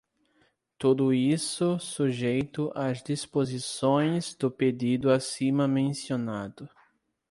Tudo isso sujeito às disposições do pedido acima mencionado.